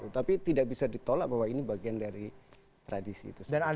tapi saya rasa ini adalah bagian dari kebiasaan